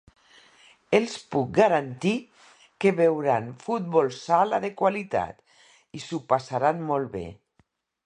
Els puc garantir que veuran futbol sala de qualitat i s'ho passaran molt bé!